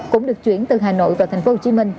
cũng được chuyển từ hà nội vào tp hcm